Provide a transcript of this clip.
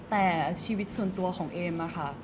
แต่ชีวิตส่วนตัวของเอมอะค่ะ